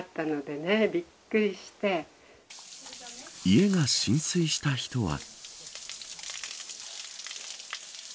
家が浸水した人は。